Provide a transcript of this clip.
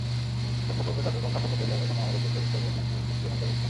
এসব প্রকল্পের কার্যক্রম সাফল্য পেলেও এখনও আমাদের দেশের বহু নারী পুষ্টিহীনতায় ভুগছেন।